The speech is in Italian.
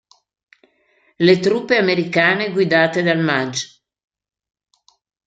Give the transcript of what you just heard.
Le truppe americane, guidate dal magg.